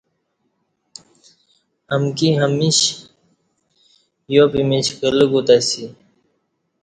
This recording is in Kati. امکی ہمیشہ یا پِیمِیچ کلہ کو تسی